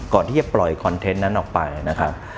ก่อนที่จะปล่อยคอนเทนต์นั้นออกไปนะครับ